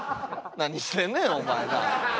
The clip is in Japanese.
何してんねんお前なあ。